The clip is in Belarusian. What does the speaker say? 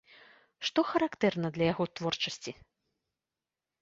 Што характэрна для яго творчасці?